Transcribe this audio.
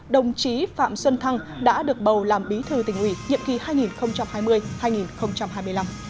đồng chí phạm xuân thăng đã được bầu làm bí thư tỉnh ủy nhiệm kỳ hai nghìn hai mươi hai nghìn hai mươi năm